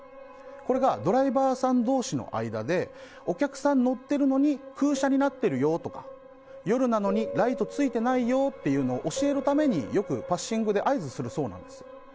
これがドライバーさん同士の間でお客さん乗ってるのに空車になってるよとか夜なのにライト付いてないよっていうのを教えるために、よくパッシングで合図するそうなんです。